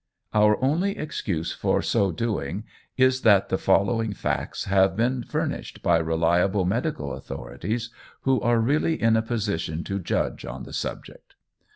Our only excuse for so doing is, that the following facts have been furnished by reliable medical authorities, who are really in a position to judge on the subject.